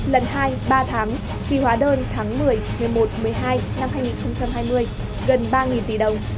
lần hai ba tháng khi hóa đơn tháng một mươi một mươi một một mươi hai năm hai nghìn hai mươi gần ba tỷ đồng